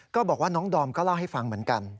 ก็บอกว่าน้องดอมก็เล่าให้ฟังเหมือนกัน